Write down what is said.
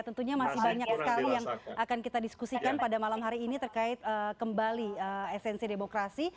tentunya masih banyak sekali yang akan kita diskusikan pada malam hari ini terkait kembali esensi demokrasi